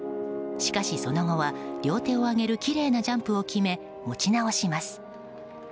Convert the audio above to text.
しかしその後は両手を上げるきれいなジャンプを決め持ち直します。